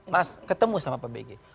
pas ketemu sama pak bg